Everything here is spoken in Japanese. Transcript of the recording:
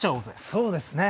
そうですね。